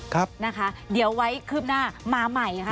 ครับนะคะเดี๋ยวไว้คืบหน้ามาใหม่ค่ะ